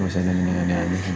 gak usah ganti ganti baju